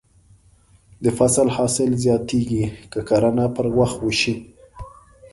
د فصل حاصل زیاتېږي که کرنه پر وخت وشي.